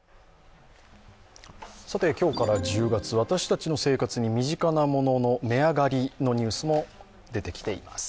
今日から１０月、私たちの生活に身近なものの値上がりのニュースも出てきています。